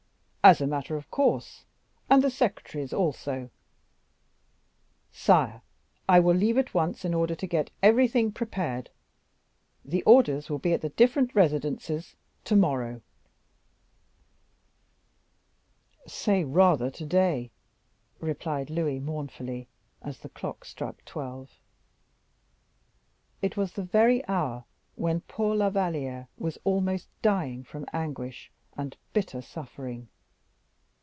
"As a matter of course, and the secretaries also." "Sire, I will leave at once in order to get everything prepared; the orders will be at the different residences to morrow." "Say rather to day," replied Louis mournfully, as the clock struck twelve. It was the very hour when poor La Valliere was almost dying from anguish and bitter suffering.